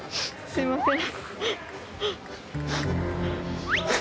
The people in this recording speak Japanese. すいません。